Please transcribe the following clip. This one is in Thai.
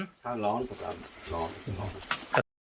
ร้อนของเราร้อน